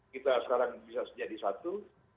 kita sekarang bisa jadi satu